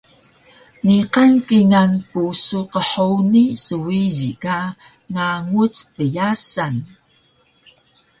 Niqan kingal pusu qhuni swiji ka nganguc pyasan